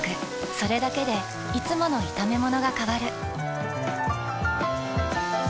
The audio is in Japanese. それだけでいつもの炒めものが変わる。